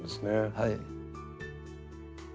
はい。